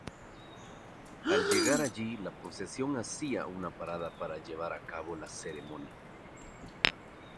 Al llegar allí la procesión hacía una parada para llevar a cabo la ceremonia.